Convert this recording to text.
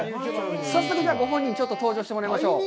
早速じゃあご本人に登場してもらいましょう。